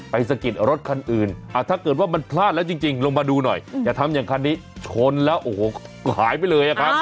สะกิดรถคันอื่นถ้าเกิดว่ามันพลาดแล้วจริงลงมาดูหน่อยอย่าทำอย่างคันนี้ชนแล้วโอ้โหหายไปเลยอะครับ